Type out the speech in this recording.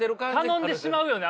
頼んでしまうよね